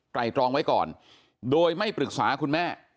ตรองไว้ก่อนโดยไม่ปรึกษาคุณแม่